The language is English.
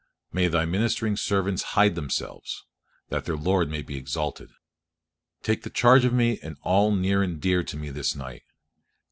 May Thy ministering servants hide themselves, that their Lord may be exalted. Take the charge of me and of all near and dear to me this night.